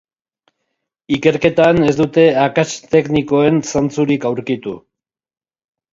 Ikerketan ez dute akats teknikoen zantzurik aurkitu.